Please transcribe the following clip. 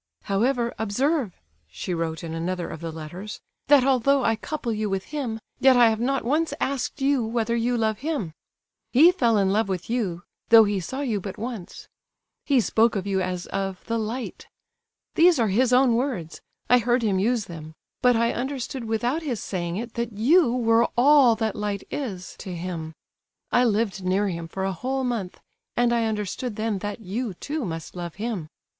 "However, observe" (she wrote in another of the letters), "that although I couple you with him, yet I have not once asked you whether you love him. He fell in love with you, though he saw you but once. He spoke of you as of 'the light.' These are his own words—I heard him use them. But I understood without his saying it that you were all that light is to him. I lived near him for a whole month, and I understood then that you, too, must love him.